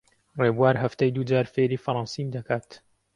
ڕێبوار هەفتەی دوو جار فێری فەڕەنسیم دەکات.